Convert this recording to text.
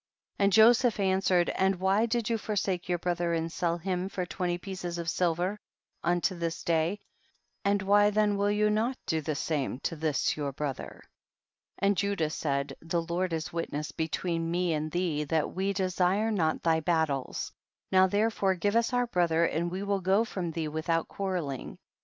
And Joseph answered, and why did you forsake your brother and sell* him for twenty pieces of silver unto this day, and why then will you not do the same to this your brother ? 20. And Judah said, the Lord is witness between me and thee that we desire not thy battles ; now there fore give us our brother and we will go from thee without quarreling.